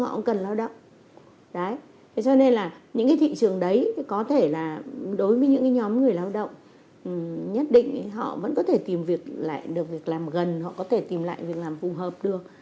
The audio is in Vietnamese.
họ cũng cần lao động đấy cho nên là những cái thị trường đấy có thể là đối với những cái nhóm người lao động nhất định họ vẫn có thể tìm việc lại được việc làm gần họ có thể tìm lại việc làm phù hợp được